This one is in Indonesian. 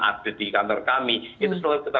update di kantor kami itu selalu kita